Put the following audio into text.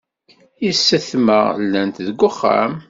Yessetma llant deg wexxam.